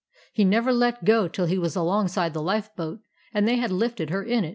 He never let go till he was alongside the life boat and they had lifted her in.